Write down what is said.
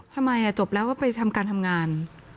ทำไมจบแล้วก็ไปทำการทำงาน